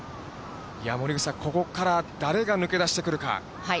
森口さん、ここから誰が抜け出してくるか。